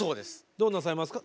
「どうなさいますか？」